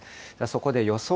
そこで予想